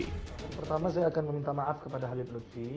pertama saya akan meminta maaf kepada habib lutfi